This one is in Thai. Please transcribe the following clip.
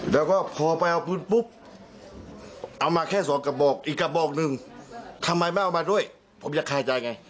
แล้วก็พอไปเอาปืนปุ๊บเอามาแค่สองกระบอกอีกกระบอกหนึ่งทำไมไม่เอามาด้วยผมจะคาใจไง